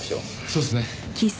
そうっすね。